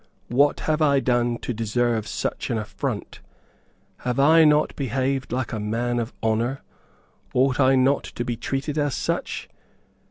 What have I done to deserve such an affront? Have I not behaved like a man of honour? Ought I not to be treated as such?